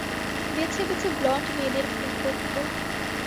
বেছে বেছে ব্লন্ড মেয়েদের খুন করত।